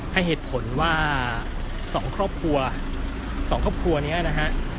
ให้เหตุผลว่า๒ครอบครัว๒ครอบครัวนี้นะฮะ